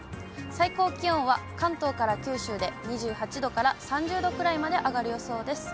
最高気温は関東から九州で、２８度から３０度くらいまで上がる予想です。